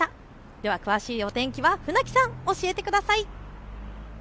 では詳しいお天気は船木さん、教えてください。